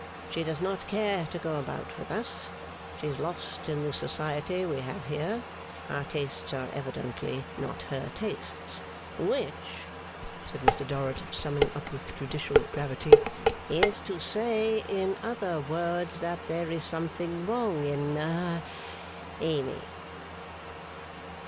She does not care to go about with us; she is lost in the society we have here; our tastes are evidently not her tastes. Which,' said Mr Dorrit, summing up with judicial gravity, 'is to say, in other words, that there is something wrong in ha Amy.